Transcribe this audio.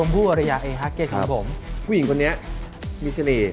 ผู้หญิงคนนี้มีชนี